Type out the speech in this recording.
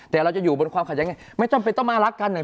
แต่เราจะอยู่บนความขับโถไม่ต้องไปต้องมารักกันเลย